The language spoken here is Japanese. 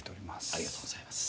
ありがとうございます。